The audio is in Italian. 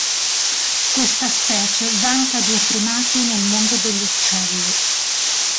Questa specie vanta due primati nel mondo degli uccelli.